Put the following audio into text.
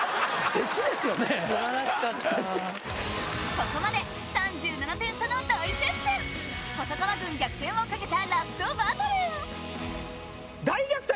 ここまで３７点差の大接戦細川軍逆転をかけたラストバトル大逆転！